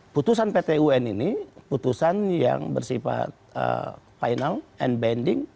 putusan pt un ini putusan yang bersifat final and bending